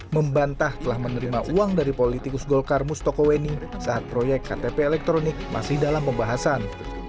membantah telah menerima uang dari politikus golkar mustokoweni saat proyek ktp elektronik masih dalam pembahasan